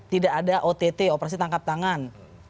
tidak ada ott operasi tangkap tangan